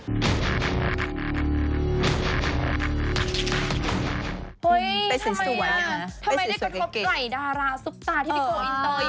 เฮ้ยไปสินสวยนะไปสินสวยเก่งเก่งทำไมได้กระทบหลายดาราซุปตาที่พี่โก้อินเตอร์อย่างเงี้ย